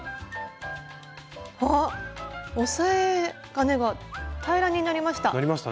あっおさえ金が平らになりました。